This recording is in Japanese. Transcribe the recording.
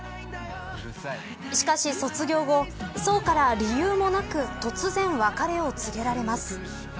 しかし、卒業後想から理由もなく突然別れを告げられます。